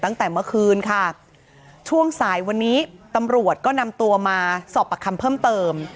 ตั้งแต่เมื่อคืนค่ะช่วงสายวันนี้ตำรวจก็นำตัวมาสอบประคำเพิ่มเติม